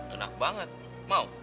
enak banget mau